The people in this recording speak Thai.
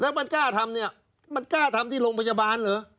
แล้วมันกล้าทำเนี่ยมันกล้าทำที่โรงพยาบาลเหรอ